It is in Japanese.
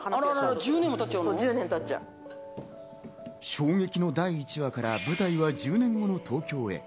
衝撃の第１話から舞台は１０年後の東京へ。